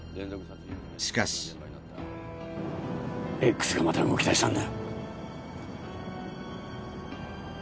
Ｘがまた動き出したんだ。